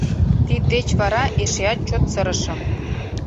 Тиддеч вара эшеат чот сырышым.